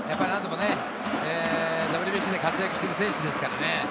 ＷＢＣで活躍している選手ですからね。